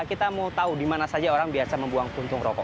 kita mau tahu di mana saja orang biasa membuang puntung rokok